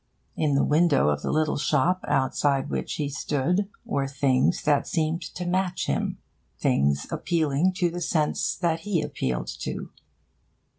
In the window of the little shop outside which he stood were things that seemed to match him things appealing to the sense that he appealed to.